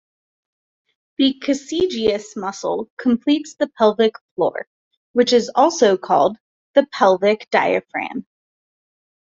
The coccygeus muscle completes the pelvic floor which is also called the "pelvic diaphragm".